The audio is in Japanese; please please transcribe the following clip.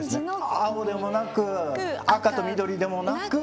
青でもなく赤と緑でもなく。